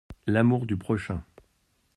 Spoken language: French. L’amour du prochain.